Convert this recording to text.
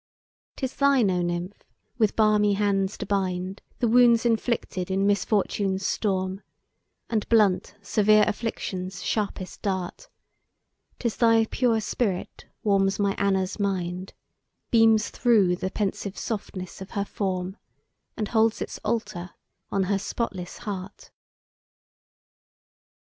'Tis thine, O Nymph! with 'balmy hands to bind' The wounds inflicted in misfortune's storm, And blunt severe affliction's sharpest dart! 'Tis thy pure spirit warms my Anna's mind, Beams through the pensive softness of her form, And holds its altar on her spotless heart!